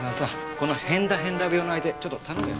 この変だ変だ病の相手ちょっと頼むよ。